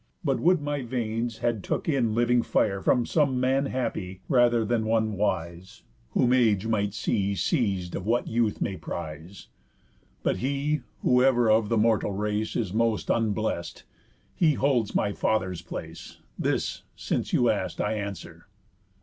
But would my veins had took in living fire From some man happy, rather than one wise, Whom age might see seis'd of what youth made prise. But he whoever of the mortal race Is most unblest, he holds my father's place. This, since you ask, I answer."